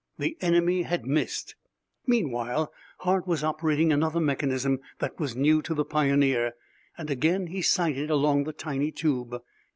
The enemy had missed. Meanwhile, Hart was operating another mechanism that was new to the Pioneer and again he sighted along the tiny tube.